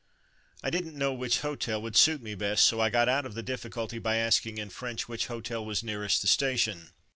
I didn't know which hotel would suit me best, so I got out of the difficulty by asking in French which hotel was nearest the station.